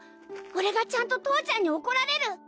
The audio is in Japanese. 俺がちゃんと父ちゃんに怒られる